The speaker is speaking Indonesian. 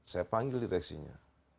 saya panggil direksinya